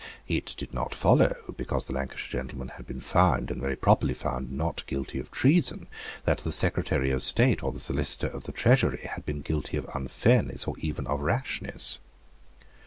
It did not follow, because the Lancashire gentlemen had been found, and very properly found, not guilty of treason, that the Secretary of State or the Solicitor of the Treasury had been guilty of unfairness or even of rashness.